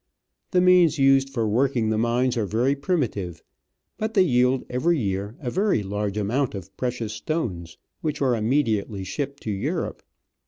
The means used for working the mines are very primitive, but they yield every year a very large amount of precious stones, which are immediately shipped to Europe.